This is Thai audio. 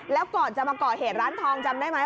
แล้วก่อนจะมาก่อเหตุร้านทองจำได้ไหม